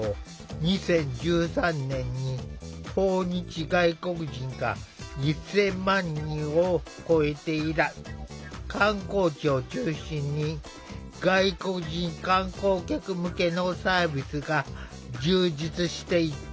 ２０１３年に訪日外国人が１，０００万人を超えて以来観光地を中心に外国人観光客向けのサービスが充実していった。